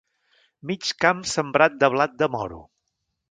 Mig camp sembrat de blat de moro.